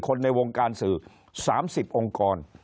ในวงการสื่อ๓๐องค์กร